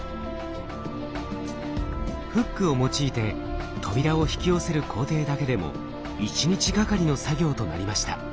フックを用いて扉を引き寄せる工程だけでも一日がかりの作業となりました。